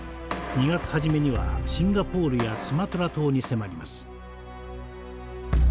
２月初めにはシンガポールやスマトラ島に迫ります。